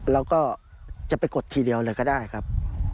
แล้วก็จะไปกดทีเดียวเลยก็ได้ครับ